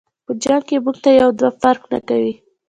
په جنګ کی مونږ ته یو دوه فرق نکوي.